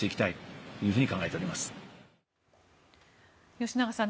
吉永さん